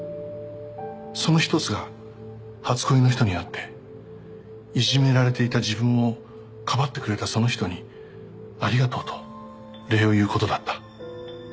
「その一つが初恋の人に会って苛められてた自分をかばってくれたその人にありがとうと礼を云う事だった」